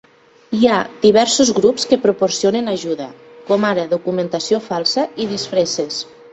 Hi ha diversos grups que proporcionen ajuda, com ara documentació falsa i disfresses.